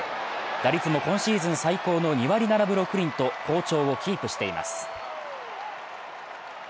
打率も今シーズン最高の２割７分６厘と好調をキープしています。